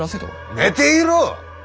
寝ていろ！